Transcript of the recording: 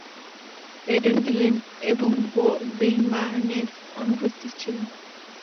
Aidan Gillen এবং Ben Barnes অনুপস্থিত ছিলেন।